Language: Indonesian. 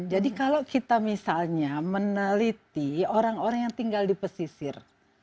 jadi kalau kita misalnya meneliti orang orang yang tinggal di pesisir